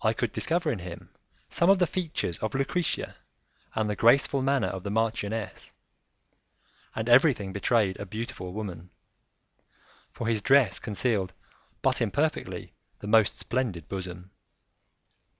I could discover in him some of the features of Lucrezia and the graceful manner of the marchioness, and everything betrayed a beautiful woman, for his dress concealed but imperfectly the most splendid bosom.